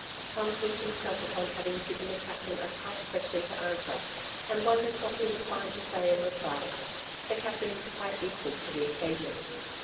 '' 'J'ow piqued himself upon having given the captain a tight qnestion to answer, and wondered what lije would find to fiay in reply* The captain was quite equal to the occasion.